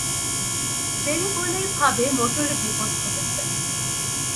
দেরি হলেই ভাবে মোটরে বিপদ ঘটেছে।